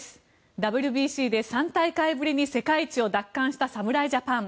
ＷＢＣで３大会ぶりに世界一を奪還した侍ジャパン。